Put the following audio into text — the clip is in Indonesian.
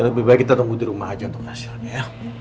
ya lebih baik kita tunggu di rumah aja untuk hasilnya ya